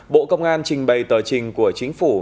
bộ công an trình bày tờ trình của chính phủ